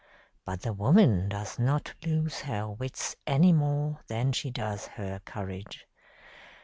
But the woman does not lose her wits any more than she does her courage.